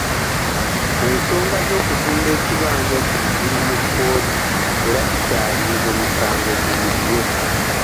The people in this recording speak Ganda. Ensonga z'okutunda ekibanja kino ziri mu kkooti era tukyalinze omusango guwulirwe.